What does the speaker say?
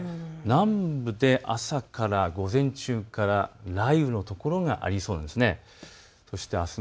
南部で朝から、午前中から雷雨の所がありそうです。